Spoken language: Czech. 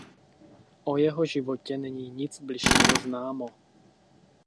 O jeho životě není nic bližšího známo.